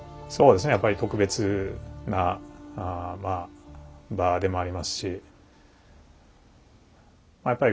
そうですねやっぱり特別な場でもありますしま